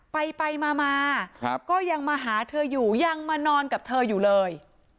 ไปไปมาก็ยังมาหาเธออยู่ยังมานอนกับเธออยู่เลย